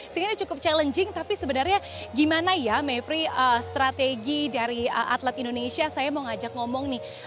sehingga ini cukup challenging tapi sebenarnya gimana ya mavri strategi dari atlet indonesia saya mau ajak ngomong nih